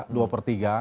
dua per tiga